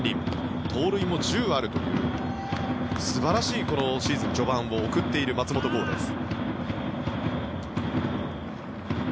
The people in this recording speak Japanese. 盗塁も１０あるという素晴らしいシーズン序盤を送っている松本剛です。